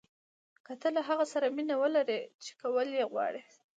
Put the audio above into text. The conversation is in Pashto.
که تۀ له هغه څه سره مینه ولرې چې کول یې غواړې.